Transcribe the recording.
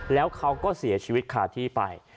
แล้วเขาก็เสียชีวิตคาที่ไป